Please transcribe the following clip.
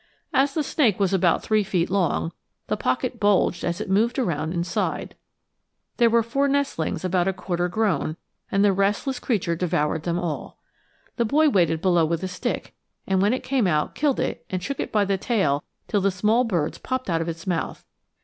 As the snake was about three feet long, the pocket bulged as it moved around inside. There were four nestlings about a quarter grown, and the relentless creature devoured them all. The boy waited below with a stick, and when it came out, killed it and shook it by the tail till the small birds popped out of its mouth.